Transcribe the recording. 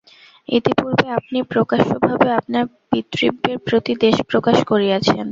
ইতিপূর্বে আপনি প্রকাশ্য ভাবে আপনার পিতৃব্যের প্রতি দ্বেষ প্রকাশ করিয়াছেন।